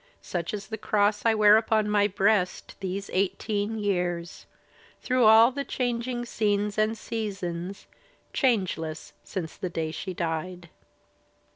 Such is the cross I wear upon my breast These eighteen years, through all the changing scries And seasons, changless since the day she died.